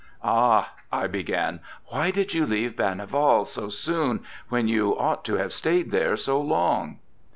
'Ah!' I began, 'why did you leave Berneval so soon, when you ought to have stayed there so long?